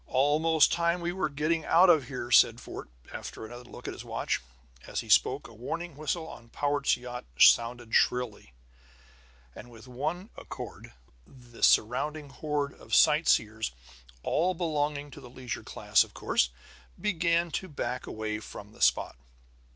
"Almost time we were getting out of here," said Fort, after another look at his watch. As he spoke a warning whistle on Powart's yacht sounded shrilly; and with one accord the surrounding horde of sightseers all belonging to the leisure class, of course began to back away from the spot.